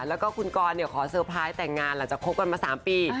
แล้วก็คุณกรขอเซอร์ไพรส์แต่งงานหลังจากคบกันมา๓ปี